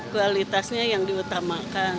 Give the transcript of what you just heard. kualitasnya yang diutamakan